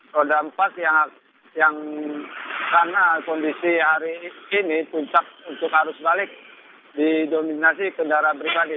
roda empat yang karena kondisi hari ini puncak untuk arus balik didominasi kendaraan pribadi